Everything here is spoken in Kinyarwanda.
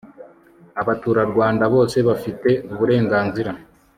abaturarwanda bose bafite uburenganzira